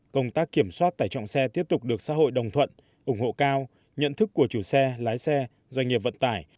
công tác kiểm soát tải trọng xe tiếp tục được xã hội đồng thuận ủng hộ cao nhận thức của chủ xe lái xe doanh nghiệp vận tải